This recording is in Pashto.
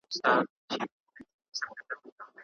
ارمان کاکا په خپل ذهن کې د ژوند د کتاب پاڼې اړولې.